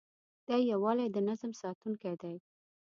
دا یووالی د نظم ساتونکی دی.